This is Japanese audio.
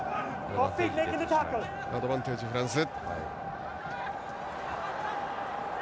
アドバンテージ、フランス。